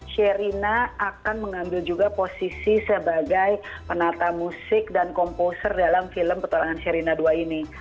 sherina akan mengambil juga posisi sebagai penata musik dan komposer dalam film petualangan sherina ii ini